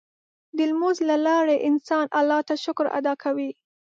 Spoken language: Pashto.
د لمونځ له لارې انسان الله ته شکر ادا کوي.